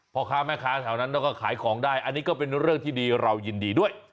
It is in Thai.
พ่อค้าแม่ค้าแถวนั้นก็ขายของได้อันนี้ก็เป็นเรื่องที่ดีเรายินดีด้วย